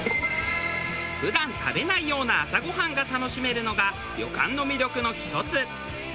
普段食べないような朝ごはんが楽しめるのが旅館の魅力の一つ。